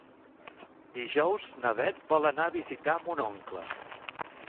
Dijous na Beth vol anar a visitar mon oncle.